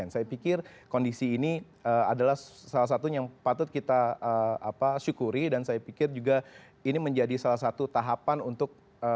saya pikir kondisi ini adalah salah satu yang patut kita syukuri dan saya pikir juga ini menjadi salah satu tahapan untuk